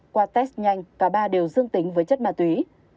qua test nhanh cả ba đều dương tính với chất ma túy